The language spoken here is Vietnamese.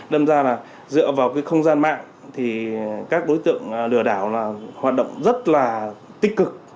đâm ra là dựa vào cái không gian mạng thì các đối tượng lừa đảo là hoạt động rất là tích cực